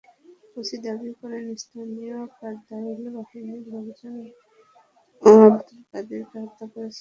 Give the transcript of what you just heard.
OC দাবি করেন, স্থানীয় কোদাইল্যা বাহিনীর লোকজন আবদুল কাদেরকে হত্যা করেছে।